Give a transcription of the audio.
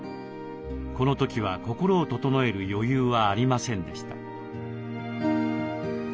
この時は心を整える余裕はありませんでした。